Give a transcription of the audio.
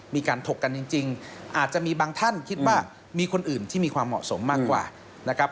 ถกกันจริงอาจจะมีบางท่านคิดว่ามีคนอื่นที่มีความเหมาะสมมากกว่านะครับ